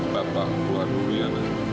bapak buat dunia